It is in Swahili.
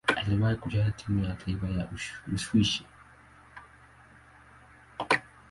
Aliwahi kucheza timu ya taifa ya Uswisi.